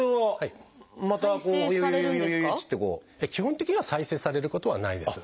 基本的には再生されることはないです。